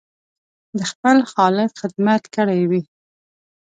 د خپل خالق خدمت کړی وي.